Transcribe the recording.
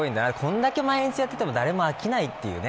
こんだけ毎日やっていても誰も飽きないという。